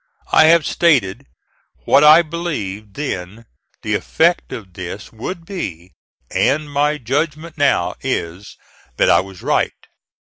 I have stated what I believed then the effect of this would be, and my judgment now is that I was right.